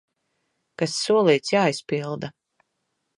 Kas solīts, jāizpilda!